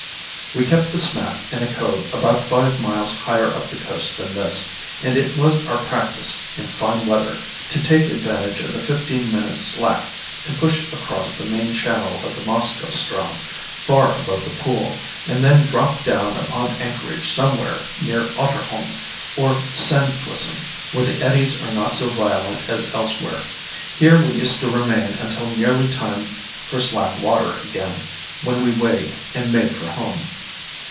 "We kept the smack in a cove about five miles higher up the coast than this; and it was our practise, in fine weather, to take advantage of the fifteen minutes' slack to push across the main channel of the Moskoe ström, far above the pool, and then drop down upon anchorage somewhere near Otterholm, or Sandflesen, where the eddies are not so violent as elsewhere. Here we used to remain until nearly time for slack water again, when we weighed and made for home.